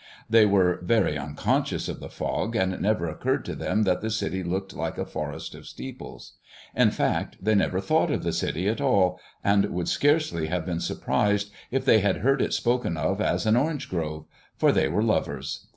They were very unconscious of the fog, and it never occurred to them that the city looked like a forest of steeples; in fact, they never thought of the city at all, and would scarcely have been surprised if they had heard it spoken of as an orange grove, for they were lovers.